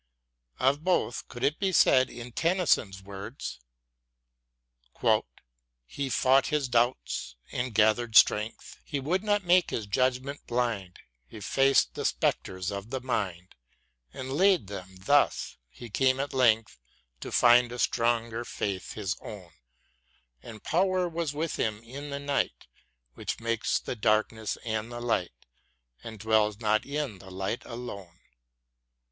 Of both could it be said, in Tennyson's words : He fought his doubts and gather'd strength, He would not make his judgment blind, He faced the spectres of the mind And laid them : thus he came at length To find a stronger faith his own ; And Power was with him in the night, Which makes the darkness and the light, And dwells not in the light alone.